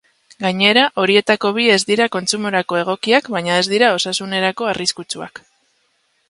Gainera, horietako bi ez dira kontsumorako egokiak baina ez dira osasunerako arriskutsuak.